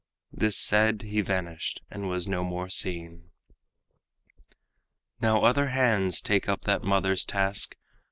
This said, he vanished, and was no more seen. Now other hands take up that mother's task.